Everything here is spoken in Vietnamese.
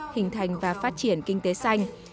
hình thành và phát triển kinh tế xanh